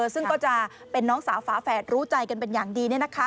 ซึ่งก็จะเป็นน้องสาวฝาแฝดรู้ใจกันเป็นอย่างดี